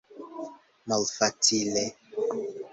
Malfacile!